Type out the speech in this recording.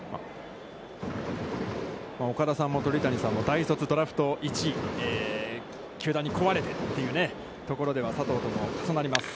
岡田さんも鳥谷さんも大卒ドラフト１位、球団に請われてというところでは、佐藤とも重なります。